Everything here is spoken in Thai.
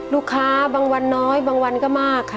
บางวันน้อยบางวันก็มากค่ะ